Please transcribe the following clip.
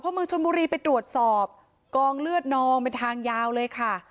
เมืองชนบุรีไปตรวจสอบกองเลือดนองเป็นทางยาวเลยค่ะ